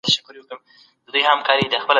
کاردستي د ماشومانو د تمرکز وړتیا لوړوي.